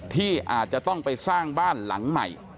ที่อาจจะต้องไปสร้างบ้านหลังใหม่